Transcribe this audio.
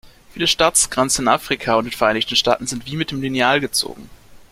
Viele Staatsgrenzen in Afrika und den Vereinigten Staaten sind wie mit dem Lineal gezogen.